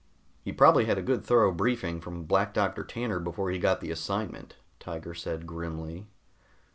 "He probably had a good thorough briefing from Black Doctor Tanner before he got the assignment," Tiger said grimly.